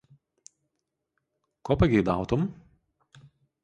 Ko pagejdautum?